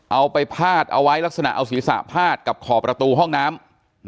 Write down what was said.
เอาไปพาดเอาไว้ลักษณะเอาศีรษะพาดกับขอบประตูห้องน้ำ